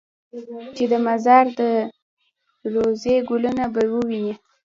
چې د مزار د روضې ګلونه به ووینې.